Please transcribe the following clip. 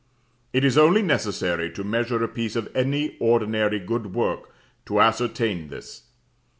It is only necessary to measure a piece of any ordinary good work to ascertain this.